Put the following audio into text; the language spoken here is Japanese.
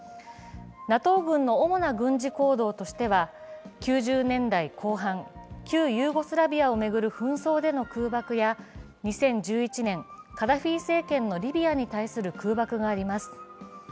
ＮＡＴＯ軍の主な軍事行動としては９０年代後半、旧ユーゴスラビアのを巡る紛争での空爆や、２０１１年、カダフィ政権のリビアに対する空爆があります。